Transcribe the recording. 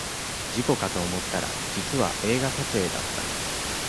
事故かと思ったら実は映画撮影だった